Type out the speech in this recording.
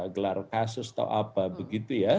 gelar kasus atau apa begitu ya